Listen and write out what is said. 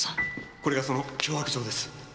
これがその脅迫状です。